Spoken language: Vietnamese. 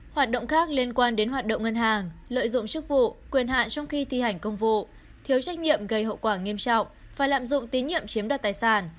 hoạt động khác liên quan đến hoạt động ngân hàng lợi dụng chức vụ quyền hạn trong khi thi hành công vụ thiếu trách nhiệm gây hậu quả nghiêm trọng và lạm dụng tín nhiệm chiếm đoạt tài sản